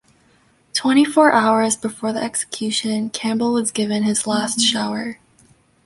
Twenty-four hours before the execution, Campbell was given his last shower.